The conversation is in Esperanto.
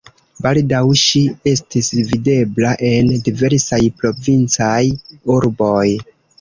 Baldaŭ ŝi estis videbla en diversaj provincaj urboj.